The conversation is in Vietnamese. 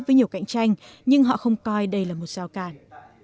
với nhiều cạnh tranh nhưng họ không coi đây là một sao càng